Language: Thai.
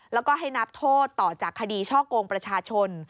แล้วก็ให้นับโทษต่อจากคดีช่อกงประชาชน